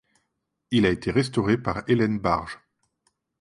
Il a été restauré par Hélène Barge.